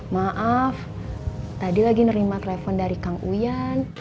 maaf tadi lagi nerima telepon dari kang uyan